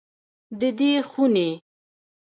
د دې خونې